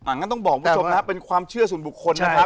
อ่างั้นต้องบอกว่าเป็นความเชื่อสุนบุคคลนะครับ